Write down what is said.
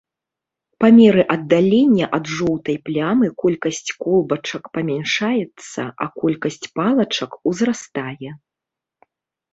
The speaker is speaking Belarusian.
Па меры аддалення ад жоўтай плямы колькасць колбачак памяншаецца, а колькасць палачак узрастае.